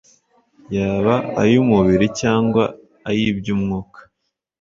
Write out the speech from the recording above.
yaba ay'umubiri cyangwa ay'iby'Umwuka.